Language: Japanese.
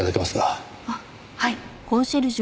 あっはい。